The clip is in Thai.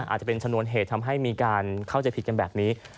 อาจจะเป็นชนวนเหตุทำให้มีการเข้าใจผิดกันแบบนี้